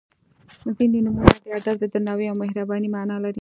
• ځینې نومونه د ادب، درناوي او مهربانۍ معنا لري.